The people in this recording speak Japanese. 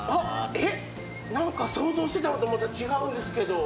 えっ、なんか想像してたのとまた違うんですけど。